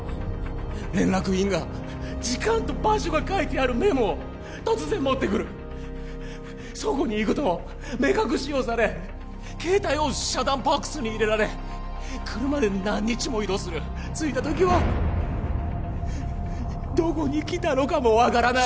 連絡員が時間と場所が書いてあるメモを突然持ってくるそこに行くと目隠しをされ携帯を遮断ボックスに入れられ車で何日も移動する着いた時はどこに来たのかも分からない